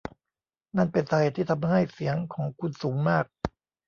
นั่นเป็นสาเหตุที่ทำให้เสียงของคุณสูงมาก